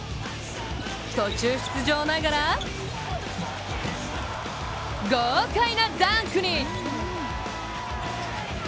途中出場ながら豪快なダンクに！